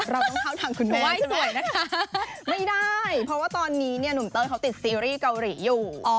เราต้องเข้าทางคุณแม่สวยนะคะไม่ได้เพราะว่าตอนนี้เนี่ยหนุ่มเต้ยเขาติดซีรีส์เกาหลีอยู่